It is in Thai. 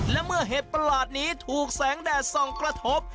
และเมื่อเห็ดประหลาดนี้ถูกแสงแดดส่องกระทบ